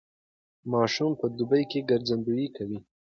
ماشومان په دوبي کې ګرځندويي کوي.